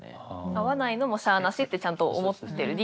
合わないのもしゃあなしってちゃんと思ってる理解してる。